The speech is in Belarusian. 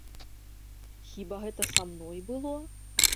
Хіба гэта са мной было?